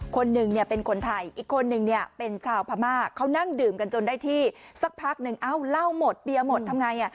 คนหนึ่งเนี่ยเป็นคนไทยอีกคนนึงเนี่ยเป็นชาวพม่าเขานั่งดื่มกันจนได้ที่สักพักหนึ่งเอ้าเหล้าหมดเบียร์หมดทำไง